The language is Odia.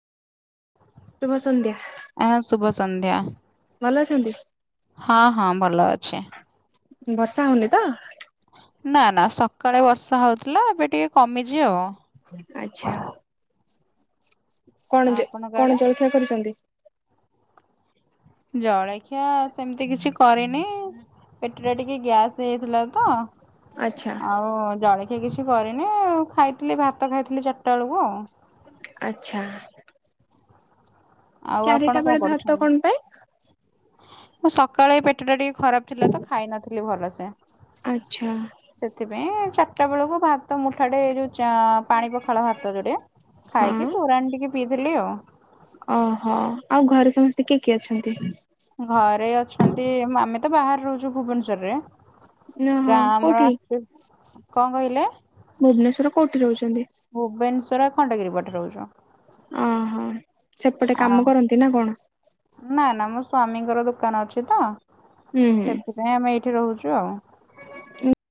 ଶୁଭ ସନ୍ଧ୍ୟା। ଆ ଶୁଭ ସନ୍ଧ୍ୟା। ଭଲ ଅଛନ୍ତି? ହଁ ହଁ ଭଲ ଅଛି। ବର୍ଷା ହଉନି ତ? ନା ନା ସକାଳେ ବର୍ଷା ହଉଥିଲା ଏବେ ଟିକେ କମିଚି ଆଉ। ଆଚ୍ଛା। କଣ ଯେ ଆପଣଙ୍କ ଆଡେ? କଣ ଜଳଖିଆ କରିଚନ୍ତି? ଜଳଖିଆ ସେମିତି କିଛି କରିନି। ପେଟରେ ଟିକେ ଗ୍ୟାସ୍ ହେଇଥିଲା ତ ଆଛା। ଆଉ ଜଳଖିଆ କିଛି କରିନୁ, ଖାଇଥିଲି ଭାତ ଖାଇଥିଲି ଚାରିଟା ବେଳକୁ ଆଉ। ଆଚ୍ଛା। ଆଉ ଆପଣ ଚାରିଟା କଣ ବେଳେ ଭାତ କରୁଛନ୍ତି? କଣ ପାଇଁ ମୁଁ ସକାଳେ ଏଇ ପେଟଟା ଟିକେ ଖରାପ ଥିଲା ତ ଖାଇ ନଥିଲି ଭଲସେ। ଆଚ୍ଛା। ସେଥିପାଇଁ ଚାରିଟା ବେଳକୁ ଭାତ ମୁଠାଟେ ଏ ଯୋଉ ଚା ପାଣି ପଖାଳ ଭାତ ଜୋଡିଏ ଖାଇକି ହଁ ତୋରାଣି ଟିକେ ପିଇଥିଲି ଆଉ। ଓହୋଃ, ଆଉ ଘରେ ସମସ୍ତେ କିଏ କିଏ ଅଛନ୍ତି? ଘରେ ଅଛନ୍ତି ଆମେ ତ ବାହାରେ ରହୁଛୁ ଭୁବନେଶ୍ୱରରେ। ଓହୋ ଗାଁ ଆମର କୋଉଠି ଆସୁ, କଣ କହିଲେ? ଭୁବନେଶ୍ବରର କୋଉଠି ରହୁଛନ୍ତି? ଭୁବନେଶ୍ବର ଖଣ୍ଡଗିରି ପଟେ ରହୁଛୁ। ଓହୋଃ ସେପଟେ ଆ କାମ କରନ୍ତି ନା କଣ? ନା ନା ମୋ ସ୍ଵାମୀଙ୍କର ଦୋକାନ ଅଛି ତ ହୁଁ ସେଥି ନାଇଁ ଆମେ ଏଇଠି ରହୁଛୁ ଆଉ। ହୁଁ